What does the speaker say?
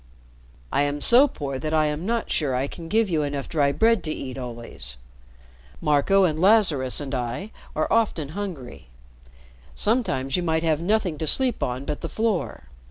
"I am so poor that I am not sure I can give you enough dry bread to eat always. Marco and Lazarus and I are often hungry. Sometimes you might have nothing to sleep on but the floor.